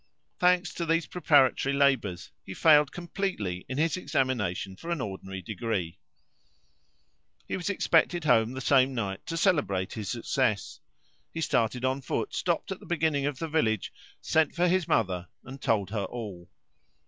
Thanks to these preparatory labours, he failed completely in his examination for an ordinary degree. He was expected home the same night to celebrate his success. He started on foot, stopped at the beginning of the village, sent for his mother, and told her all.